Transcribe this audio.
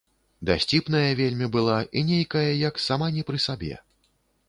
Дасціпная вельмі была і нейкая як сама не пры сабе.